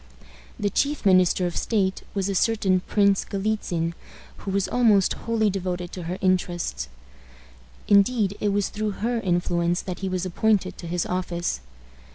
The chief minister of state was a certain Prince Galitzin, who was almost wholly devoted to her interests. Indeed, it was through her influence that he was appointed to his office.